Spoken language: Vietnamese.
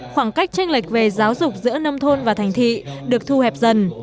khoảng cách tranh lệch về giáo dục giữa nông thôn và thành thị được thu hẹp dần